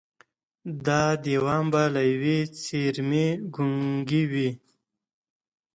دا دېوان به له ېوې څېرمې ګونګي وي